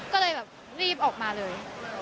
ก็เลยแบบรีบออกมาเลย